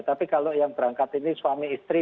tapi kalau yang berangkat ini suami istri